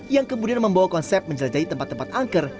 yang kemudian membawa konsep menjelajahi tempat tempat angker